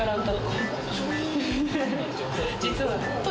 実は。